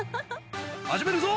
始めるぞ！